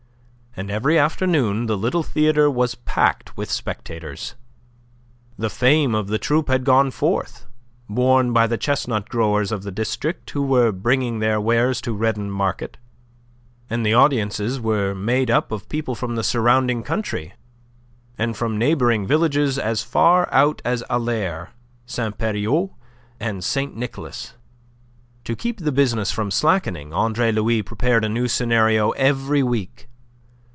And every afternoon the little theatre was packed with spectators. The fame of the troupe had gone forth, borne by the chestnut growers of the district, who were bringing their wares to Redon market, and the audiences were made up of people from the surrounding country, and from neighbouring villages as far out as Allaire, Saint Perrieux and Saint Nicholas. To keep the business from slackening, Andre Louis prepared a new scenario every week.